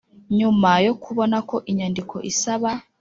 Nyuma yo kubona ko inyandiko isaba